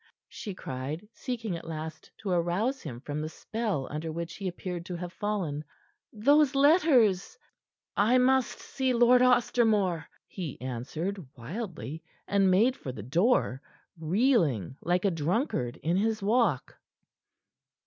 she cried, seeking at last to arouse him from the spell under which he appeared to have fallen. "Those letters " "I must see Lord Ostermore," he answered wildly, and made for the door, reeling like a drunkard in his walk.